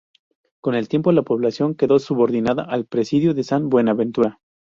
Con el tiempo la población quedó subordinada al presidio de San Buenaventura.